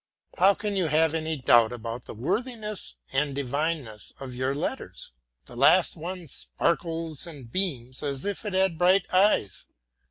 How can you have any doubt about the worthiness and divineness of your letters? The last one sparkles and beams as if it had bright eyes.